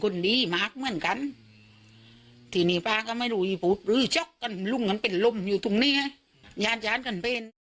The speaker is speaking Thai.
ย้านกันเป็น